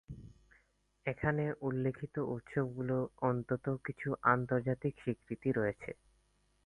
এখানে উল্লেখিত উৎসবগুলোর অন্তত কিছু আন্তর্জাতিক স্বীকৃতি রয়েছে।